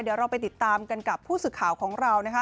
เดี๋ยวเราไปติดตามกันกับผู้สื่อข่าวของเรานะคะ